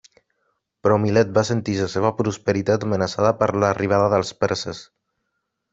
Però Milet va sentir la seva prosperitat amenaçada per l'arribada dels perses.